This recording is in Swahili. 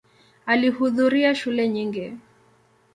Alihudhuria shule nyingi.